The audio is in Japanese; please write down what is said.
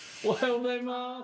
おはようございます。